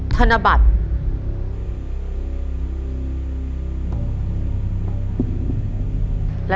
ธนบัตร